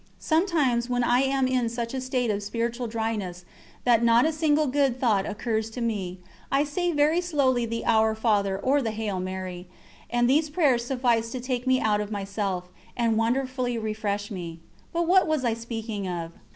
Sometimes when I am in such a state of spiritual dryness that not a single good thought occurs to me, I say very slowly the "Our Father" or the "Hail Mary," and these prayers suffice to take me out of myself, and wonderfully refresh me. But what was I speaking of?